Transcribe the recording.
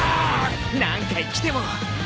何回来てもあっ。